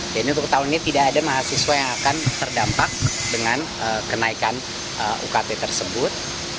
dan untuk tahun ini tidak ada mahasiswa yang akan terdampak dengan kenaikan ukt tersebut